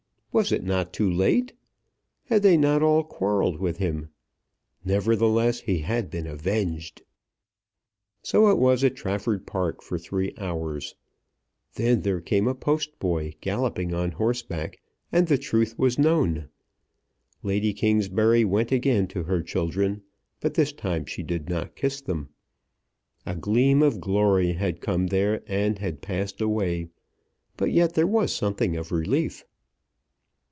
Was it not too late? Had they not all quarrelled with him? Nevertheless he had been avenged. So it was at Trafford Park for three hours. Then there came a postboy galloping on horseback, and the truth was known. Lady Kingsbury went again to her children, but this time she did not kiss them. A gleam of glory had come there and had passed away; but yet there was something of relief.